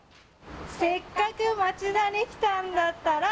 「せっかく町田に来たんだったら」